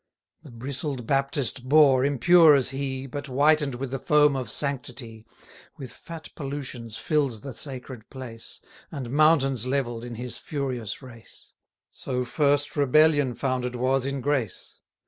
The bristled Baptist Boar, impure as he, But whiten'd with the foam of sanctity, With fat pollutions fill'd the sacred place, And mountains levell'd in his furious race; So first rebellion founded was in grace.